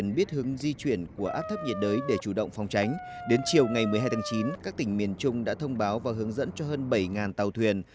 ngày một mươi hai tháng chín các tỉnh miền trung đã thông báo và hướng dẫn cho hơn bảy tàu thuyền